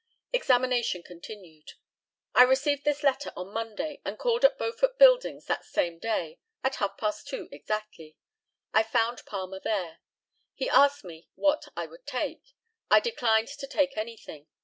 Examination continued: I received this letter on Monday, and called at Beaufort buildings that same day, at half past two exactly. I found Palmer there. He asked me what I would take? I declined to take anything.